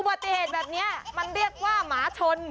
ปฏิเหตุแบบนี้มันเรียกว่าหมาชน